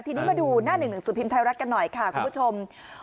ทีนี้มาดูหน้าหนึ่งหนังสือพิมพ์ไทยรัฐกันหน่อยค่ะคุณผู้ชม